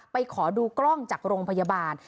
ขอดูกล้องจากโรงพยาบาล